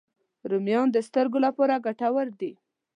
رومیان د سترګو لپاره ګټور دي